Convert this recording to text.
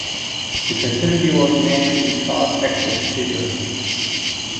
The facility was renamed the Sharp Aquos Theatre.